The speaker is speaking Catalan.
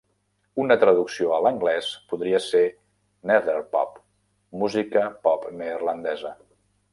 Una traducció a l'anglès podria ser "Netherpop" 'música pop neerlandesa'.